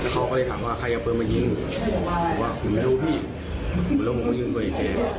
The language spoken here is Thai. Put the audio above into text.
เขาก็เลยถามว่าใครเอาเปลืองมายิงว่าคุณไม่รู้พี่แล้วมันก็ยิงตัวอีกแล้ว